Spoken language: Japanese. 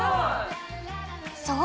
そう！